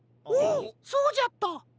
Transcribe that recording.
おおそうじゃった。